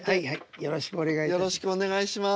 よろしくお願いします。